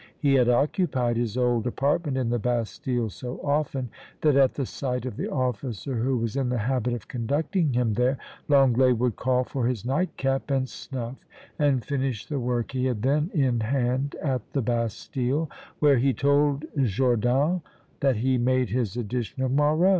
He had occupied his old apartment in the Bastile so often, that at the sight of the officer who was in the habit of conducting him there, Lenglet would call for his nightcap and snuff; and finish the work he had then in hand at the Bastile, where, he told Jordan, that he made his edition of Marot.